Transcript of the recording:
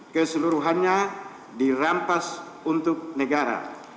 keseluruhannya dirampas untuk negara